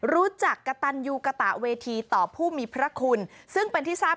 รู้จักกะตันยูกะตาเวทีต่อผู้มีพระคุณ